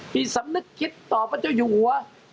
ผู้คิดศำนึกเจ้าอยู่หัว